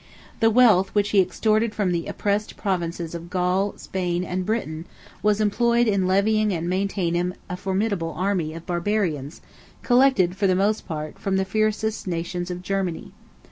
The wealth which he extorted 72 from the oppressed provinces of Gaul, Spain, and Britain, was employed in levying and maintaining a formidable army of Barbarians, collected, for the most part, from the fiercest nations of Germany.